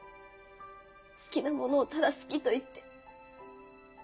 好きなものをただ好きと言って。